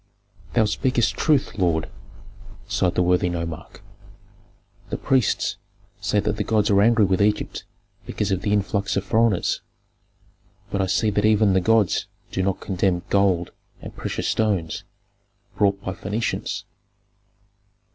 "Thou speakest truth, lord," sighed the worthy nomarch. "The priests say that the gods are angry with Egypt because of the influx of foreigners; but I see that even the gods do not contemn gold and precious stones brought by Phœnicians."